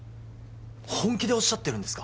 本気でおっしゃってるんですか？